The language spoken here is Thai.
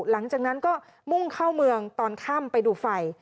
หลังจากนั้นก็มุ่งเข้าเมืองตอนค่ำไปดูไฟ